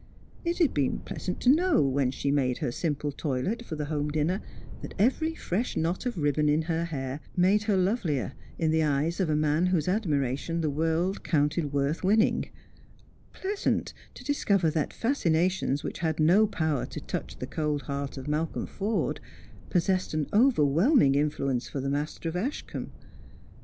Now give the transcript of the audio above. It had been pleasant to know, when she made her simple toilet for the home dinner, that every fresh knot of ribbon in her hair made her lovelier in the eyes of a man whose admiration the world counted worth winning — pleasant to discover that fascinations which had no power to touch the cold heart of Malcolm Forde l^ossessed an overwhelming influence for the master of Ash combe.